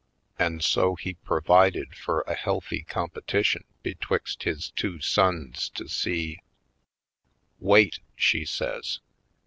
An' so he purvided fur a healthy competition betwixt his two sons to see " "Wait!" she says.